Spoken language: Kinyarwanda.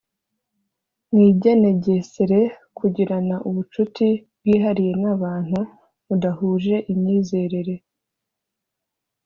Mwigenegesere kugirana ubucuti bwihariye n’abantu mudahuje imyizerere